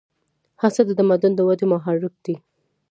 هڅه د تمدن د ودې محرک دی.